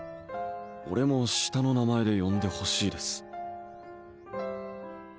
俺も下の名前で呼んでほしいです